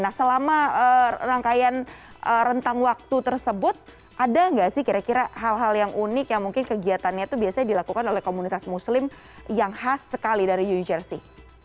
nah selama rangkaian rentang waktu tersebut ada nggak sih kira kira hal hal yang unik yang mungkin kegiatannya itu biasanya dilakukan oleh komunitas muslim yang khas sekali dari new jersey